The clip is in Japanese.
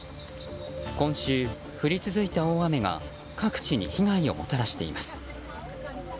今週、降り続いた大雨が各地に被害をもたらしています。